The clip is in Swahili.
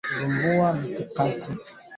Mifugo wengine wanaoathiriwa katika kundi